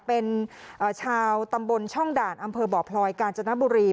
เป็นชาวตำบลช่องด่านอำเภอบ่อพลอยกาญจนบุรี